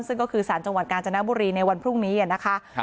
ซึ่งก็คือสารจังหวัดกาญจนบุรีในวันพรุ่งนี้นะคะ